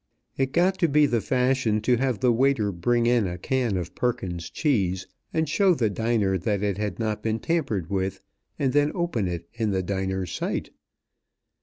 It got to be the fashion to have the waiter bring in a can of Perkins's cheese, and show the diner that it had not been tampered with, and then open it in the diner's sight.